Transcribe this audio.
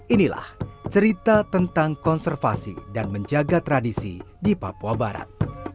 inilah cerita tentang konservasi dan menjaga tradisi di papua barat